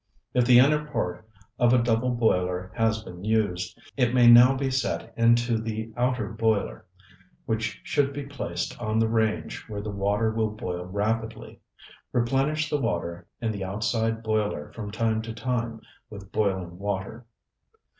If the inner part of a double boiler has been used, it may now be set into the outer boiler, which should be placed on the range where the water will boil rapidly. Replenish the water in the outside boiler from time to time with boiling water.